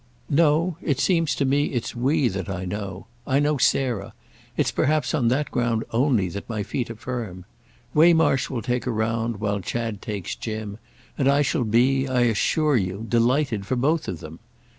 "No—it seems to me it's we that I know. I know Sarah—it's perhaps on that ground only that my feet are firm. Waymarsh will take her round while Chad takes Jim—and I shall be, I assure you, delighted for both of them.